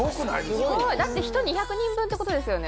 ・すごいだって人２００人分ってことですよね